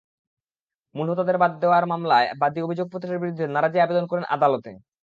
মূল হোতাদের বাদ দেওয়ায় মামলার বাদী অভিযোগপত্রের বিরুদ্ধে নারাজি আবেদন করেন আদালতে।